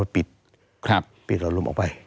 เพราะว่าปิดหลอดลมออกไป